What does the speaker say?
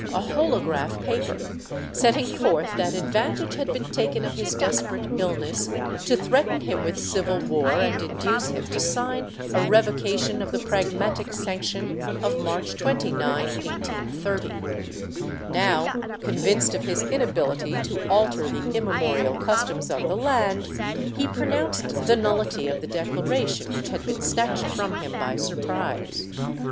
I] ISABELLA RECOGNIZED 465 holograph paper setting forth that advantage had been taken of his desperate illness to threaten him with civil war and induce him to sign a revocation of the pragmatic sanction of March 29, 1830; now, convinced of his inability to alter the immemorial customs of the land, he pronounced the nullity of the declaration which had been snatched from him by surprise.